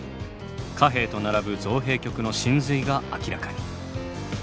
貨幣と並ぶ造幣局の神髄が明らかに。